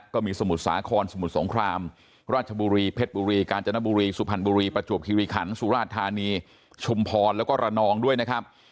สมุทรสาครสมุทรสงครามราชบุรีเพชรบุรีกาญจนบุรีสุพรรณบุรีประจวบคิริขันสุราชธานีชุมพรแล้วก็ระนองด้วยนะครับ